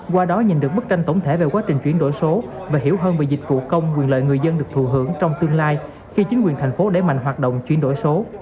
qua đó nhìn được bức tranh tổng thể về quá trình chuyển đổi số và hiểu hơn về dịch vụ công quyền lợi người dân được thù hưởng trong tương lai khi chính quyền thành phố đẩy mạnh hoạt động chuyển đổi số